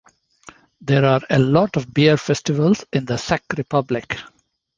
There are a lot of beer festivals in the Czech Republic.